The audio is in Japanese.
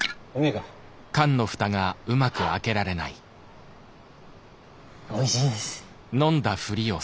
はいおいしいです。